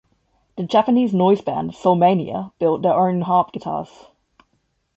The Japanese noise band Solmania built their own harp guitars.